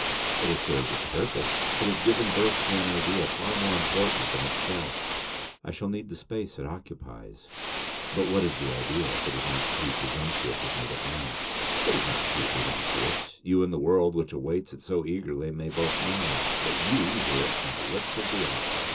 "It has served its purpose. It has given birth to an idea far more important than itself. I shall need the space it occupies." "But what is the idea, if it's not too presumptuous of me to ask?" "It is not too presumptuous. You and the world which awaits it so eagerly may both know, but you hear it from the lips of the author.